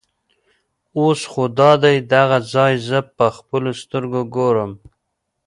اوس خو دادی دغه ځای زه په خپلو سترګو ګورم.